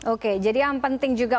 oke jadi yang penting juga